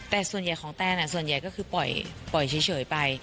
แต่ส่วนใหญ่ของแตนส่วนใหญ่ก็คือปล่อยเฉยไป